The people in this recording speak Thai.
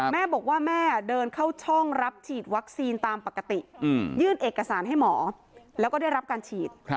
แม่บอกว่าแม่เดินเข้าช่องรับฉีดวัคซีนตามปกติยื่นเอกสารให้หมอแล้วก็ได้รับการฉีด